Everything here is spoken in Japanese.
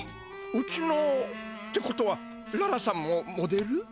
うちのってことはララさんもモデル？